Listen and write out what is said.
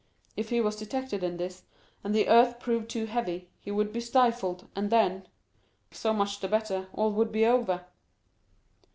If he was detected in this and the earth proved too heavy, he would be stifled, and then—so much the better, all would be over.